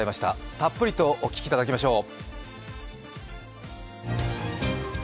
たっぷりとお聴きいただきましょう。